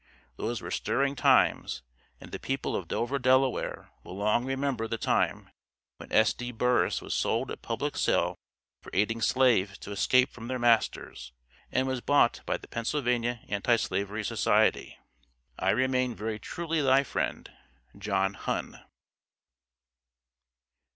Those were stirring times, and the people of Dover, Delaware, will long remember the time when S.D. Burris was sold at public sale for aiding slaves to escape from their masters, and was bought by the Pennsylvania Anti slavery Society. I remain very truly thy friend, JOHN HUNN.